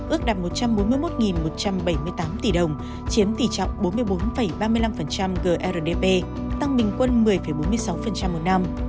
ước đạt một trăm bốn mươi một một trăm bảy mươi tám tỷ đồng chiếm tỷ trọng bốn mươi bốn ba mươi năm grdp tăng bình quân một mươi bốn mươi sáu một năm